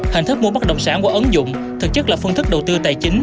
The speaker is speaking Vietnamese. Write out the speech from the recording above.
hình thức mua bất động sản qua ứng dụng thực chất là phương thức đầu tư tài chính